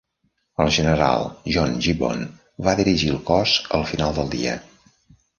El general John Gibbon va dirigir el cos al final del dia.